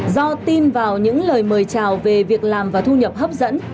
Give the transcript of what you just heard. do tin vào những lời mời trào về việc làm và thu nhập hấp dẫn